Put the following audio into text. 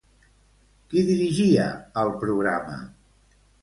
Qui dirigia el programa?